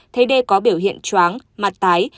thấy d có biểu hiện chóng mặt tái